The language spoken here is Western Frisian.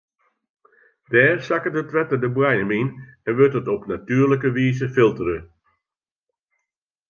Dêr sakket it wetter de boaiem yn en wurdt it op natuerlike wize filtere.